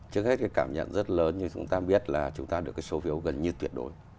trước hết cái cảm nhận rất lớn như chúng ta biết là chúng ta được cái số phiếu gần như tuyệt đối